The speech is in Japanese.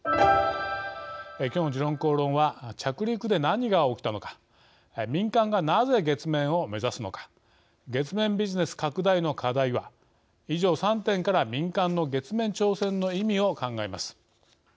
今日の「時論公論」は着陸で何が起きたのか民間がなぜ月面を目指すのか月面ビジネス拡大の課題は以上３点から民間の月面挑戦の意味を考えます。